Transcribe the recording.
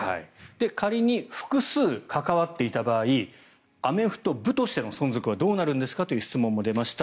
仮に複数関わっていた場合アメフト部としての存続はどうなるんですかという質問も出ました。